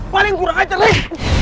paling kurang ajar nih